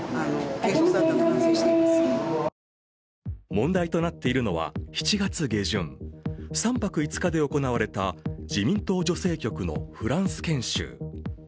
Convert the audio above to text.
問題となっているのは７月下旬、３泊５日で行われた自民党女性局のフランス研修。